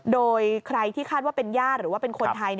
โดยใครที่คาดว่าเป็นญาติหรือว่าเป็นคนไทย